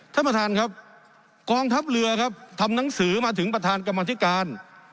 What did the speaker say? ท่านประธานครับกองทัพเรือครับทำหนังสือมาถึงประธานกรรมธิการ